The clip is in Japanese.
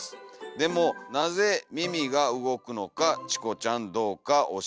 でもなぜ耳がうごくのかチコちゃんどうか教えてください」。